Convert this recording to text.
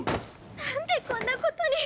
なんでこんなことに。